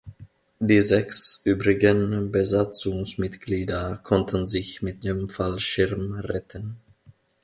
Die sechs übrigen Besatzungsmitglieder konnten sich mit dem Fallschirm retten.